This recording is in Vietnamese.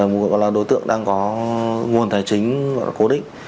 gọi là đối tượng đang có nguồn tài chính gọi là cố định